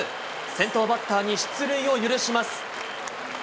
先頭バッターに出塁を許します。